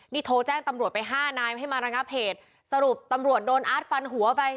นี่โทรแจ้งตำรวจไปห้านายให้มาระงับเหตุสรุปตำรวจโดนอาร์ตฟันหัวไป